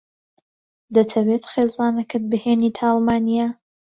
دەتەوێت خێزانەکەت بهێنیتە ئەڵمانیا؟